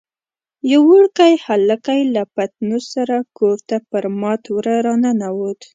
یو وړوکی هلکی له پتنوس سره کور ته پر مات وره راننوت.